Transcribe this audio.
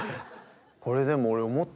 これでも。